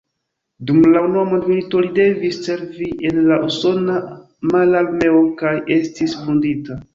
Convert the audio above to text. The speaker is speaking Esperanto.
Dum la Unua Mondmilito li devis servi en la usona mararmeo kaj estis vundita.